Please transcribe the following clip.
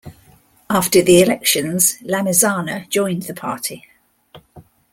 After the elections Lamizana joined the party.